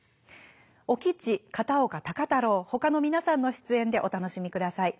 お吉片岡孝太郎ほかの皆さんの出演でお楽しみください。